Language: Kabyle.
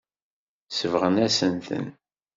Sebɣen-asen-ten.